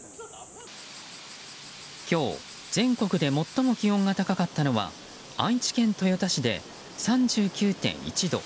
今日、全国で最も気温が高かったのは愛知県豊田市で、３９．１度。